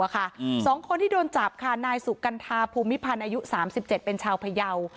๒คนที่โดนจับค่ะนายสุกัณฑาภูมิพันธ์อายุ๓๗เป็นชาวพยาว